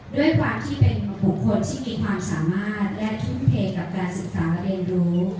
ด้วยความที่เป็นบุคคลที่มีความสามารถและทุ่มเทกับการศึกษาเรียนรู้